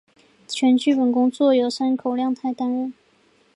全剧本工作由山口亮太担任。